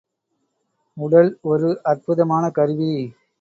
உடல் ஒரு அற்புதமான கருவி.